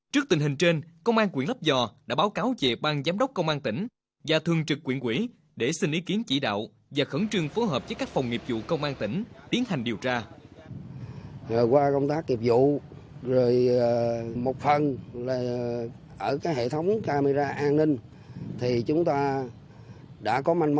trước tình hình trên công an huyện lấp vò đã báo cáo về bang giám đốc công an tỉnh và thường trực quyển quỹ để xin ý kiến chỉ đạo và khẩn trương phối hợp với các phòng nghiệp vụ công an tỉnh tiến hành điều tra